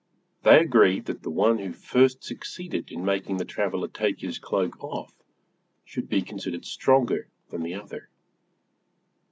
They agreed that the one who first succeeded in making the traveler take his cloak off should be considered stronger than the other.